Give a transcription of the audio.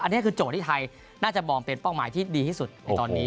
อันนี้คือโจทย์ที่ไทยน่าจะมองเป็นเป้าหมายที่ดีที่สุดในตอนนี้